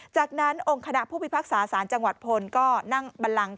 จากนั้นองค์คณะผู้พิพากษาสารจังหวัดพลก็นั่งบันลัง